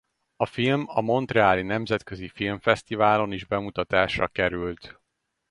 A film a montreali nemzetközi filmfesztiválon is bemutatásra került.